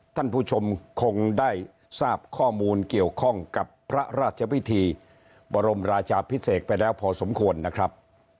ท่านผู้ชมคงได้ทราบข้อมูลเกี่ยวข้องกับพระราชพิธีบรมราชาพิเศษไปแล้วพอสมควรนะครับ